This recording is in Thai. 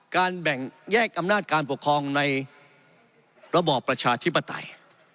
การแบ่งแยกอำนาจการปกครองในระบอบประชาธิปไตย